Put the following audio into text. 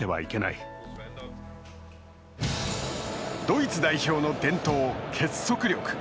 ドイツ代表の伝統、結束力。